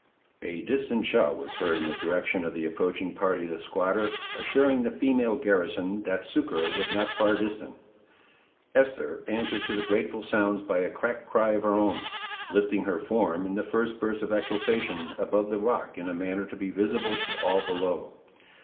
A distant shout was heard in the direction of the approaching party of the squatter, assuring the female garrison that succour was not far distant. Esther answered to the grateful sounds by a cracked cry of her own, lifting her form, in the first burst of exultation, above the rock in a manner to be visible to all below.